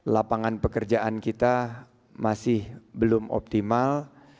lapangan pekerjaan kita masih belum optimal